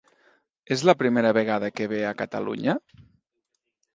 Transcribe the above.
És la primera vegada que ve a Catalunya?